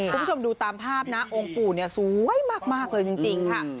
คุณผู้ชมดูตามภาพนะองค์ปู่เนี่ยสวยมากเลยจริงค่ะ